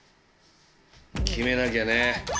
決めなきゃね。